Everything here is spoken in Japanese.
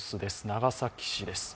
長崎市です。